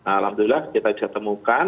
alhamdulillah kita bisa temukan